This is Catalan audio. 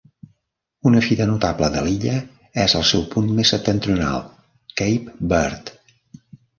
Una fita notable de l'illa és el seu punt més septentrional, Cape Byrd.